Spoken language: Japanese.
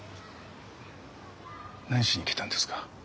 何しに来たんですか？